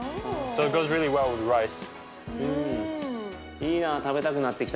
いいな食べたくなってきたな。